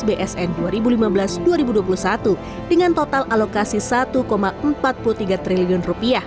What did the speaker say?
jembatan ini dianggap sebagai jembatan terbaik di tahun dua ribu lima belas dua ribu dua puluh satu dengan total alokasi rp satu empat puluh tiga triliun